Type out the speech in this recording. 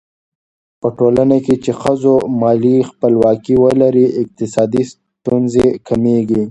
په ټولنه کې چې ښځو مالي خپلواکي ولري، اقتصادي ستونزې کمېږي.